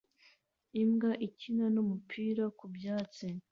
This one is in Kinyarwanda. Imbwa ikina n'umupira ku byatsi